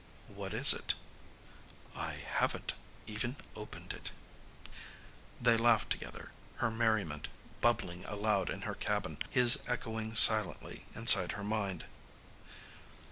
"What is it?" "I haven't even opened it." They laughed together, her merriment bubbling aloud in her cabin, his echoing silently inside her mind.